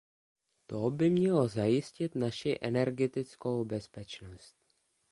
To by mělo zajistit naši energetickou bezpečnost.